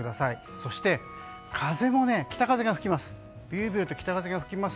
そして北風が吹きます。